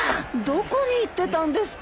どこに行ってたんですか？